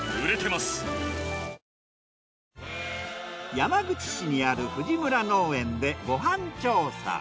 山口市にある藤村農園でご飯調査。